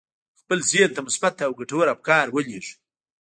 خپل ذهن ته مثبت او ګټور افکار ولېږئ.